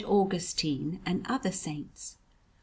Augustine, and other saints.